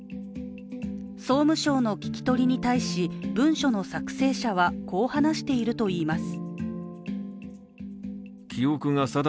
総務省の聞き取りに対し文書の作成者はこう話しているといいます。